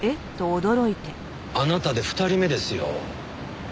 あなたで２人目ですよ。